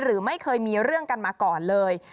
หรือไม่เคยมีเรื่องกันมาก่อนเลย